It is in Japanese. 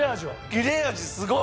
切れ味すごい！